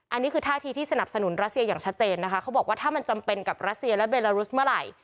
อันนี้คือท่าทีที่สนับสนุนรัสเซียอย่างชัดเจนนะคะเขาบอกว่าถ้ามันจำเป็นกับรัสเซียและเบลารุสเมื่อไหร่